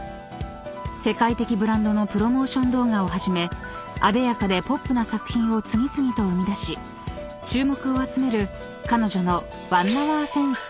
［世界的ブランドのプロモーション動画をはじめあでやかでポップな作品を次々と生み出し注目を集める彼女の］